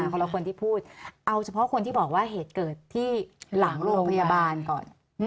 คนละคนที่พูดเอาเฉพาะคนที่บอกว่าเหตุเกิดที่หลังโรงพยาบาลก่อน